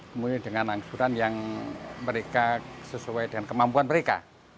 kemudian dengan angsuran yang mereka sesuai dengan kemampuan mereka